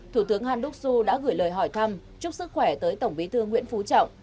thủ tướng han đắc xu đã gửi lời hỏi thăm chúc sức khỏe tới tổng bí thư nguyễn phú trọng